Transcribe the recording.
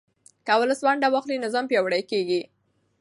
که ولس ونډه واخلي، نظام پیاوړی کېږي.